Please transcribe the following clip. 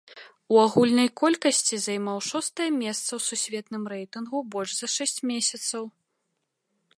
У агульнай колькасці займаў шостае месца ў сусветным рэйтынгу больш за шэсць месяцаў.